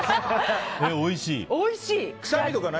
おいしい！